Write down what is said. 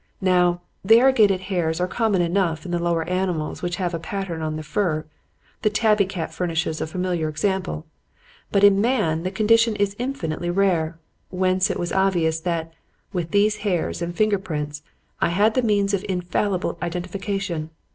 Now, variegated hairs are common enough in the lower animals which have a pattern on the fur. The tabby cat furnishes a familiar example. But in man the condition is infinitely rare; whence it was obvious that, with these hairs and the finger prints, I had the means of infallible identification.